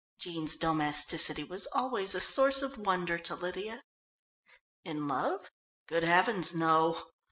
(Jean's domesticity was always a source of wonder to Lydia.) "In love good heavens, no."